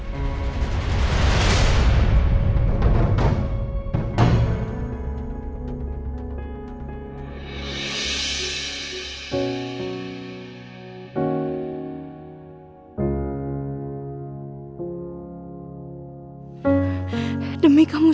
ini tentangh dia